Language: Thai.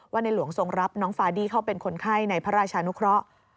ในหลวงทรงรับน้องฟาดี้เข้าเป็นคนไข้ในพระราชานุเคราะห์